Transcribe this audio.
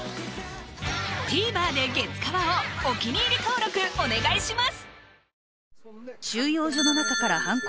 ＴＶｅｒで「月カワ」をお気に入り登録お願いします！